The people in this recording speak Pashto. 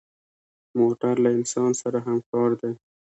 موټر له انسان سره همکار دی.